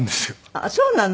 あっそうなの。